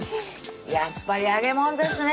やっぱり揚げもんですね